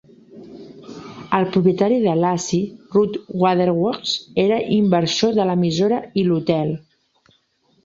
El propietari de Lassie, Rudd Weatherwax, era inversor de l'emissora i l'hotel.